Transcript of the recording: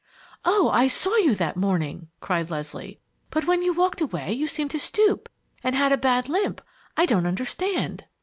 "Oh, I saw you that morning!" cried Leslie. "But when you walked away you seemed to stoop and had a bad limp! I don't understand!"